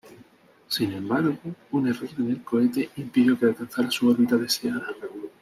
Sin embargo, un error en el cohete impidió que alcanzara su órbita deseada.